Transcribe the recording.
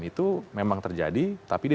itu memang terjadi tapi dia